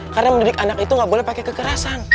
karena mendidik anak itu nggak boleh pakai kekerasan